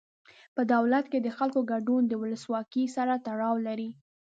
په دولت کې د خلکو ګډون د ولسواکۍ سره تړاو لري.